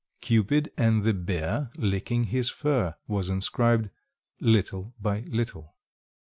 "Cupid and the bear licking his fur" was inscribed, "Little by little."